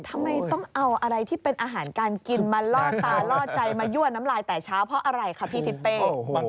ทำไมต้องเอาอะไรที่เป็นอาหารการกิน